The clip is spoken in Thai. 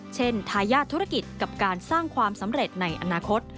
ทายาทธุรกิจกับการสร้างความสำเร็จในอนาคต